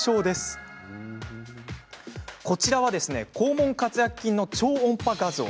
こちらは肛門括約筋の超音波画像。